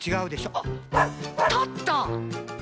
あっ立った！